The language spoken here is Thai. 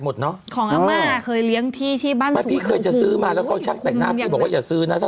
มันฉลาดก่อนช่วยแมว